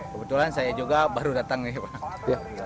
kebetulan saya juga baru datang nih pak